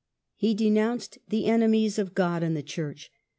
He denounced the enemies of God and the Church.